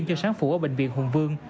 cho sản phụ ở bệnh viện hùng vương